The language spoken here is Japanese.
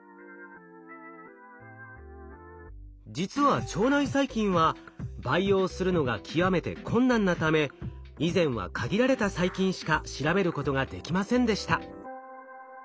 実は腸内細菌は培養するのが極めて困難なため以前は限られた細菌しか調べることができませんでした。